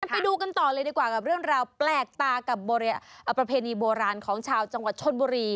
ไปดูกันต่อเลยดีกว่ากับเรื่องราวแปลกตากับประเพณีโบราณของชาวจังหวัดชนบุรี